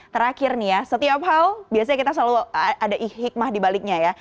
terakhir nih ya setiap hal biasanya kita selalu ada hikmah dibaliknya ya